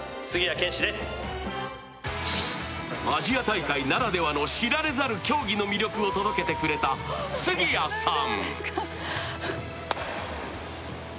アジア大会ならではの知られざる競技の魅力を届けてくれた、杉谷さん。